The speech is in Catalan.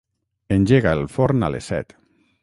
Engega el forn a les set.